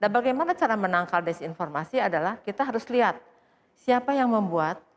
bagaimana cara menangkal disinformasi adalah kita harus lihat siapa yang membuat